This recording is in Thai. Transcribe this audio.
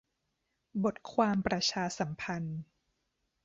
- บทความประชาสัมพันธ์